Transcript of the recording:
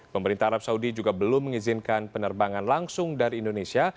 pemerintah arab saudi juga belum mengizinkan penerbangan langsung dari indonesia